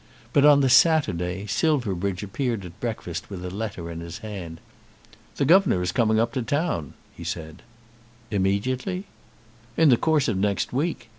But on the Saturday Silverbridge appeared at breakfast with a letter in his hand. "The governor is coming up to town," he said. "Immediately?" "In the course of next week.